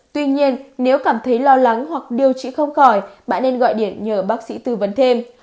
tuy nhiên nếu cảm thấy lo lắng hoặc điều trị không khỏi bạn nên gọi điện nhờ bác sĩ tư vấn thêm